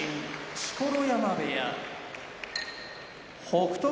錣山部屋北勝